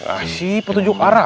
ah si petunjuk arah